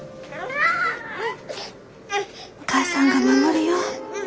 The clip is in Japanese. お母さんが守るよ。